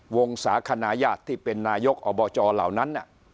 วงสาขนายาที่เป็นนายกอบจเหล่านั้น